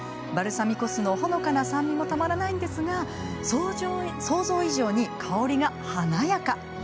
バルサミコ酢の、ほのかな酸味もたまらないんですが想像以上に香りが華やか。